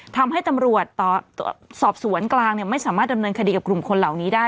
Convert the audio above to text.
ทำให้ตำรวจสอบสวนกลางไม่สามารถดำเนินคดีกับกลุ่มคนเหล่านี้ได้